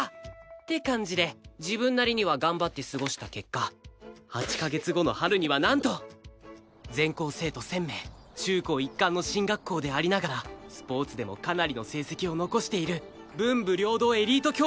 って感じで自分なりには頑張って過ごした結果８カ月後の春にはなんと全校生徒１０００名中高一貫の進学校でありながらスポーツでもかなりの成績を残している文武両道エリート共